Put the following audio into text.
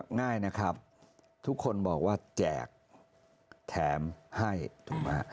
ง่ายนะครับทุกคนบอกว่าแจกแถมให้ถูกไหมฮะ